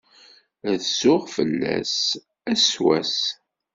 Rezzuɣ ɣef fell-as ass s wass.